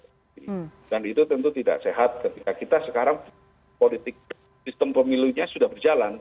dan itu tentu tidak sehat ketika kita sekarang politik sistem pemilihnya sudah berjalan